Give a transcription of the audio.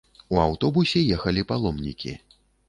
У аўтобусе ехалі паломнікі.